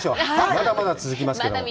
まだまだ続きますけど。